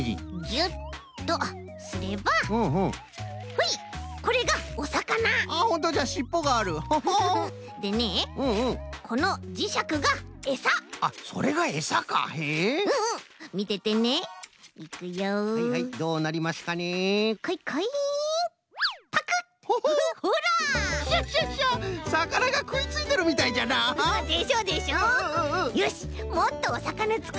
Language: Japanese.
よしもっとおさかなつくっちゃおう！